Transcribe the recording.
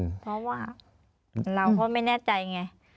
เพราะว่าเราก็ไม่แน่ใจไง